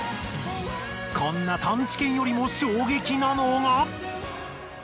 こんな探知犬よりも衝撃なのが。